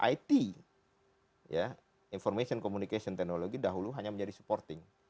it information communication technology dahulu hanya menjadi supporting